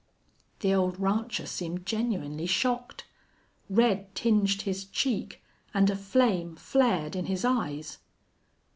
The old rancher seemed genuinely shocked. Red tinged his cheek and a flame flared in his eyes.